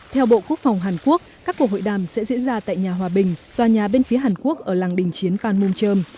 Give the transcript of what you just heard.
theo bộ quốc phòng hàn quốc các cuộc hội đàm sẽ diễn ra tại nhà hòa bình tòa nhà bên phía hàn quốc ở làng đỉnh chiến phan mung chơm